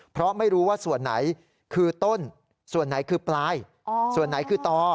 เพราะไม่รู้ว่าส่วนไหนคือต้นส่วนไหนคือปลายส่วนไหนคือต่อ